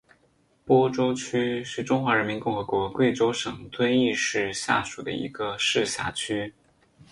播州区是中华人民共和国贵州省遵义市下属的一个市辖区。